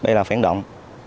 đây là phản động